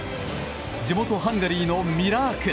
地元ハンガリーのミラーク。